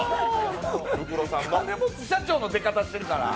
金持ち社長の出方してるから。